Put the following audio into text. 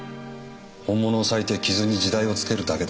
本物を裂いて傷に時代をつけるだけだ。